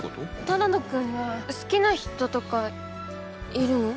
只野くんは好きな人とかいるの？